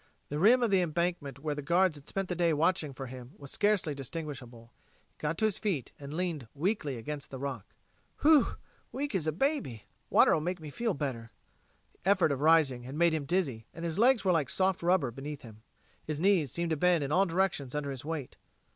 The rim of the embankment where the guards had spent the day watching for him was scarcely distinguishable. He got to his feet and leaned weakly against the rock. "Whew! Weak as a baby! Water'll make me feel better." The effort of rising had made him dizzy, and his legs were like soft rubber beneath him. His knees seemed to bend in all directions under his weight.